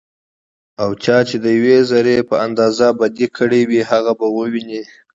او چا چې ديوې ذرې په اندازه بدي کړي وي، هغه به وويني